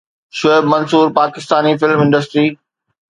Shoaib Mansoor Pakistani film industry